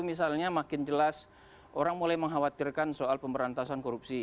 misalnya makin jelas orang mulai mengkhawatirkan soal pemberantasan korupsi